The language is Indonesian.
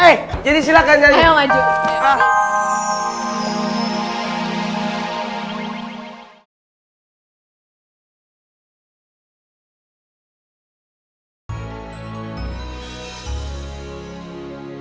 eh jadi silahkan nyanyi